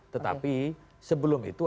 tetapi sebelum itu